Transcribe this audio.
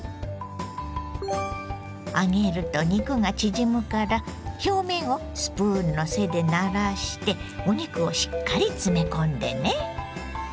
揚げると肉が縮むから表面をスプーンの背でならしてお肉をしっかり詰め込んでね。